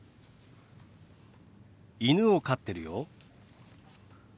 犬を飼ってるよ。